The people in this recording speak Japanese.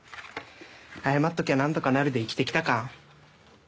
謝っときゃ何とかなるで生きてきた感半端ないよね。